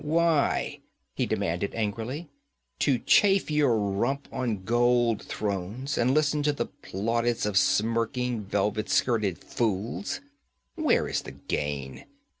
'Why?' he demanded angrily. 'To chafe your rump on gold thrones, and listen to the plaudits of smirking, velvet skirted fools? Where is the gain?